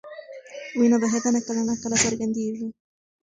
وینه بهېدنه کله ناکله څرګندېږي.